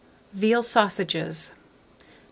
VEAL SAUSAGES. 904.